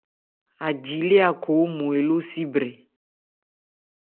Aji lê Akho ɔ́nmɔn eló si brɛ.